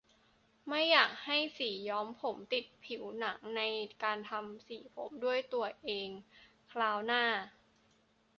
ไม่อยากให้สีย้อมผมติดผิวหนังในการทำสีผมด้วยตัวเองคราวหน้า